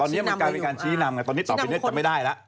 ตอนนี้มันกลายเป็นการชี้นำไงตอนนี้ต่อไปเนี่ยจะไม่ได้แล้ว